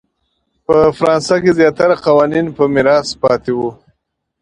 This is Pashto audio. په فرانسه کې زیاتره قوانین په میراث پاتې وو.